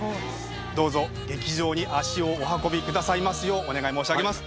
どうぞ劇場に足をお運びくださいますようお願い申し上げます。